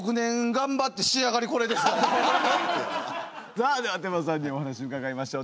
さあでは天真さんにお話伺いましょう。